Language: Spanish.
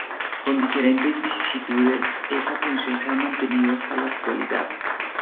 Con diferentes vicisitudes, esa función se ha mantenido hasta la actualidad.